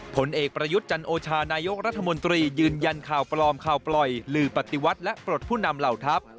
ผลเอกประยุทธ์จันโอชานายกรัฐมนตรียืนยันข่าวปลอมข่าวปล่อยลือปฏิวัติและปลดผู้นำเหล่าทัพ